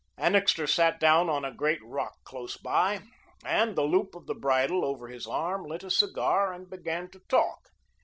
Annixter sat down on a great rock close by and, the loop of the bridle over his arm, lit a cigar, and began to talk.